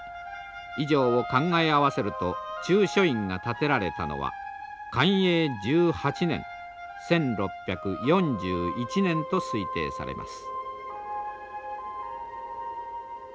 以上を考え合わせると中書院が建てられたのは寛永１８年１６４１年と推定されます。